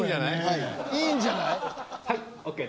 いいんじゃない？